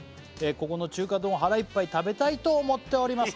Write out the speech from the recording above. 「ここの中華丼を腹いっぱい食べたいと思っております」